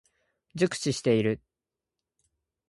熟知している。